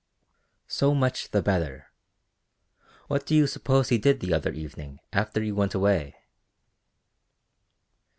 "So much the better. What do you suppose he did the other evening after you went away?"